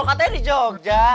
katanya di jogja